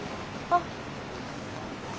あっ。